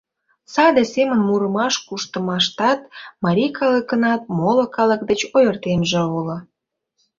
Саде семын мурымаш-куштымаштат марий калыкынат моло калык деч ойыртемже уло.